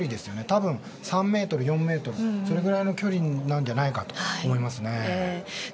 多分３ｍ、４ｍそれぐらいの距離なんじゃないかと思いますね。